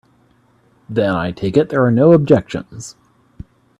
Then I take it there are no objections.